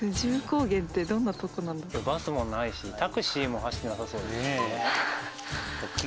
バスもないしタクシーも走ってなさそう。